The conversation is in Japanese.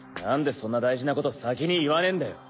そんな大事なこと先に言わねえんだよ。